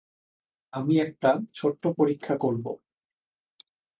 আমি একটা ছোট্ট পরীক্ষা করব।